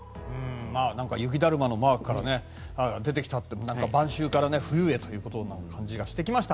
雪だるまのマークが出てきたので晩秋から冬へという感じがしてきました。